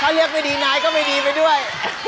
ถ้าเล็กไม่ดีไหนก็ไม่ดีไปด้วย